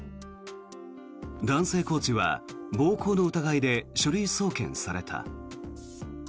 男性コーチは暴行の疑いで書類送検された。